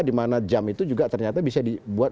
di mana jam itu juga ternyata bisa dibuat